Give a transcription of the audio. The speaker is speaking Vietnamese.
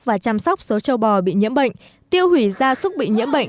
và chăm sóc số châu bò bị nhiễm bệnh